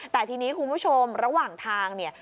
แต่ทีนี้คุณผู้ชมระหว่างทางเนี่ย